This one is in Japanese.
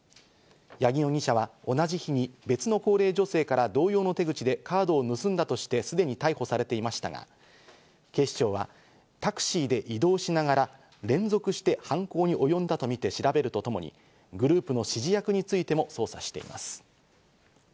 八木容疑者は同じ日に別の高齢女性から同様の手口でカードを盗んだとしてすでに逮捕されていましたが、警視庁はタクシーで移動しながら連続して犯行に及んだとみて調べるとともに、グループの指示役についても捜査しています。